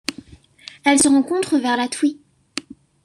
Elle se rencontre vers la Twee.